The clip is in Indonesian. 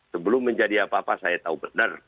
sebelum menjadi apa apa saya tahu benar